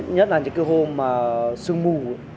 nhất là những cái hôm mà sương mù